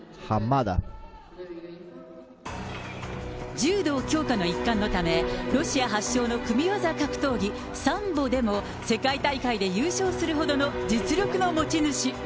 柔道強化の一環のため、ロシア発祥の組み技格闘技、サンボでも世界大会で優勝するほどの実力の持ち主。